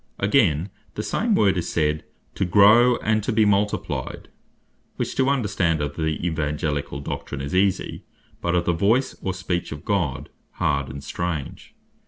Again, the same Word, is said (Acts 12. 24.) "to grow and to be multiplied;" which to understand of the Evangelicall Doctrine is easie, but of the Voice, or Speech of God, hard and strange.